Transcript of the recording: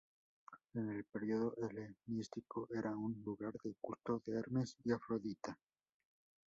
En el periodo helenístico era un lugar de culto de Hermes y Afrodita.